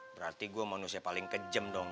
berarti gue manusia paling kejem dong